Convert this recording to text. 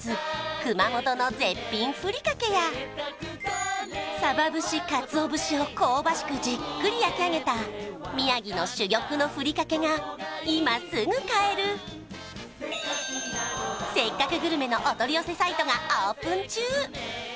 熊本の絶品ふりかけや鯖節鰹節を香ばしくじっくり焼き上げた宮城の珠玉のふりかけが今すぐ買える「せっかくグルメ！！」のお取り寄せサイトがオープン中